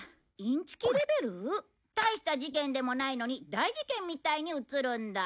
大した事件でもないのに大事件みたいに写るんだ。